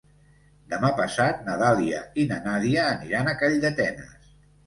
Demà passat na Dàlia i na Nàdia aniran a Calldetenes.